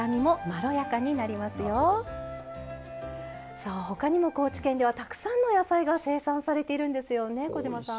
さあ他にも高知県ではたくさんの野菜が生産されているんですよね小島さん。